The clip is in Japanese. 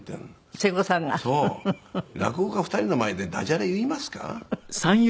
落語家２人の前でダジャレ言いますか？